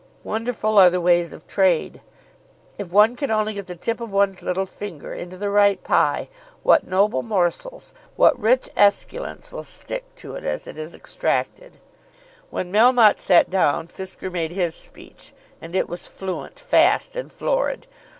Wonderful are the ways of trade! If one can only get the tip of one's little finger into the right pie, what noble morsels, what rich esculents, will stick to it as it is extracted! When Melmotte sat down Fisker made his speech, and it was fluent, fast, and florid.